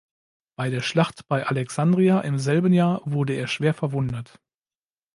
Bei der Schlacht bei Alexandria im selben Jahr wurde er schwer verwundet.